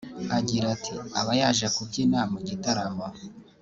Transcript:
Agira ati “Aba yaje kubyina mu gitaramo